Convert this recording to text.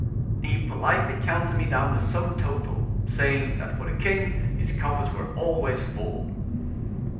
"He politely counted me down the sum total, saying, that for the king, his coffers were always full."